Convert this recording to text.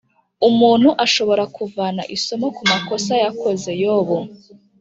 umuntu ashobora kuvana isomo ku makosa yakoze Yobu